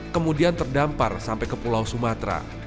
kemudian terdampar sampai ke pulau sumatera